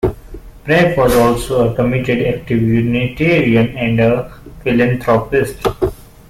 Pratt was also a committed active Unitarian, and a philanthropist.